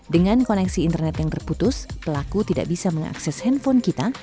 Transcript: dengan koneksi internet yang terputus pelaku tidak bisa mengakses handphone kita